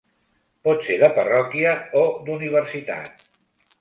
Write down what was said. Pot ser de parròquia o d'universitat.